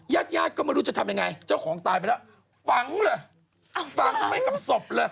ญาติก็ไม่รู้จะทำยังไงเจ้าของตายไปแล้วฝังเหรอฝังทำไมกับศพเหรอ